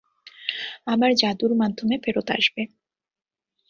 আবার যাদুর মাধ্যমে ফেরত আসবে।